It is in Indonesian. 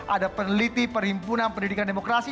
ada peneliti perhimpunan pendidikan demokrasi